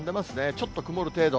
ちょっと曇る程度。